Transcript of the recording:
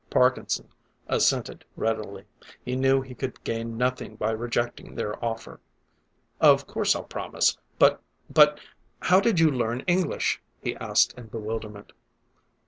Parkinson assented readily; he knew he could gain nothing by rejecting their offer. "Of course I'll promise. But but, how did you learn English?" he asked in bewilderment.